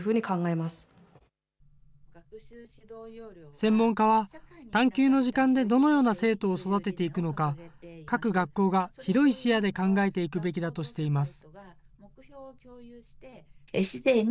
専門家は、探究の時間でどのような生徒を育てていくのか、各学校や広い視野で考えていくべきだとしています。